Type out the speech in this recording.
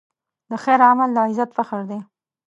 د خیر عمل د عزت فخر دی.